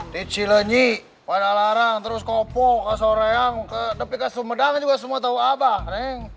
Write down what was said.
di cilinyi panalarang terus kopo ke soreang ke depikas sumedang juga semua tau abah neng